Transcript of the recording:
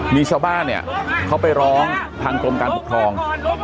มีชาวบ้านเนี่ยเขาไปร้องทางกรมการปกครอง